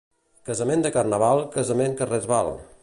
Casament de carnaval, casament que res val.